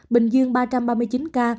bình dương ba ba mươi chín ca